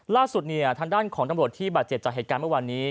ล่าสุดเนี่ยทางด้านของตำรวจที่บาดเจ็บจากเหตุการณ์เมื่อวานนี้